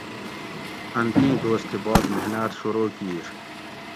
ان تیں دوس تھی باد محناۤت شروع کِیر